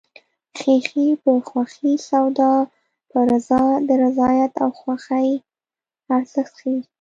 خیښي په خوښي سودا په رضا د رضایت او خوښۍ ارزښت ښيي